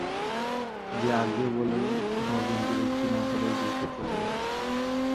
যে আজ্ঞে বলেই নবীন দ্বিরুক্তি না করেই দ্রুত চলে গেল।